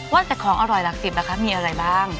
ว่าแต่ของอร่อยหลักสิบล่ะคะมีอะไรบ้าง